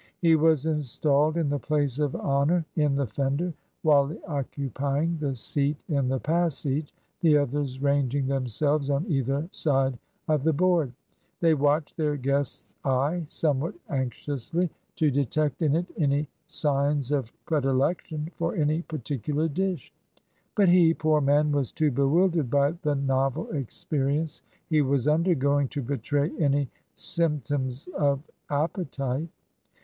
He was installed in the place of honour in the fender, Wally occupying the seat in the passage, the others ranging themselves on either side of the board. They watched their guest's eye somewhat anxiously, to detect in it any signs of predilection for any particular dish. But he, poor man, was too bewildered by the novel experience he was undergoing to betray any symptoms of appetite.